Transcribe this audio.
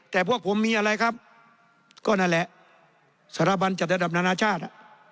แต่พวกผมมีอะไรครับก็นั่นแหละสถาบันจัดระดับนานาชาติ